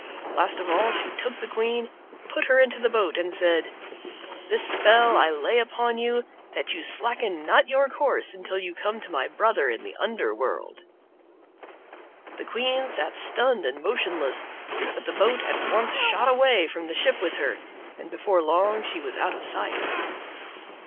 Last of all she took the queen, put her into the boat and said: "This spell I lay upon you, that you slacken not your course until you come to my brother in the under world." The queen sat stunned and motionless, but the boat at once shot away from the ship with her, and before long she was out of sight.